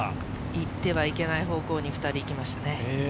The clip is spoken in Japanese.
行ってはいけない方向に２人ともいきましたね。